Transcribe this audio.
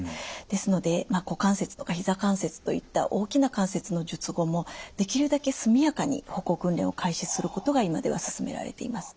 ですので股関節とかひざ関節といった大きな関節の術後もできるだけ速やかに歩行訓練を開始することが今ではすすめられています。